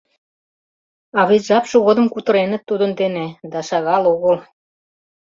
А вет жапше годым кутыреныт тудын дене, да шагал огыл.